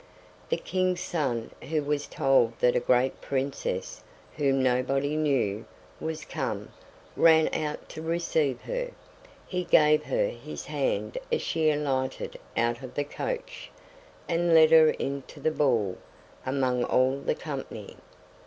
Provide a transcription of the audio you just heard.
The King's son who was told that a great princess, whom nobody knew, was come, ran out to receive her; he gave her his hand as she alighted out of the coach, and led her into the ball, among all the company.